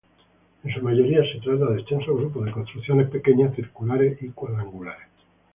En su mayoría se trata de extensos grupos de construcciones pequeñas, circulares y cuadrangulares.